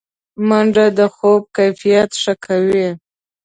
منډه د خوب کیفیت ښه کوي